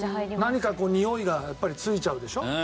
何かにおいがやっぱりついちゃうでしょ？